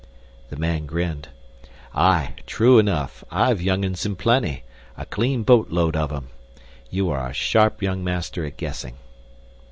The man grinned. "Aye, true enough, I've young 'uns in plenty, a clean boatload of them. You are a sharp young master at guessing."